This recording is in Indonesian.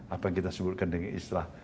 apa yang kita sebutkan dengan istilah